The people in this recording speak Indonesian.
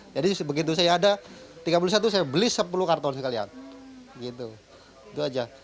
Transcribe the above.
jadi begitu saya ada rp tiga puluh satu saya beli sepuluh karton sekalian